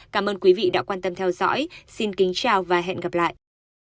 cảm ơn quý vị đã quan tâm theo dõi xin kính chào và hẹn gặp lại